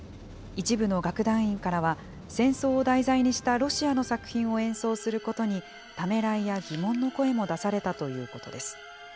一部の楽団員からは、戦争を題材にしたロシアの作品を演奏することに、ためらいや疑問の声も出されたということです。